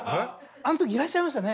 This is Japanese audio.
あのときいらっしゃいましたね。